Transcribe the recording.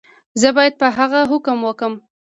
زه باید په هغه هم حکم وکړم.